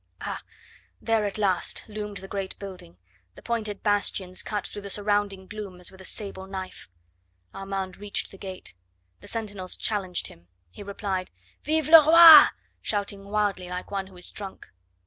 Ah! there at last loomed the great building, the pointed bastions cut through the surrounding gloom as with a sable knife. Armand reached the gate; the sentinels challenged him; he replied: "Vive le roi!" shouting wildly like one who is drunk.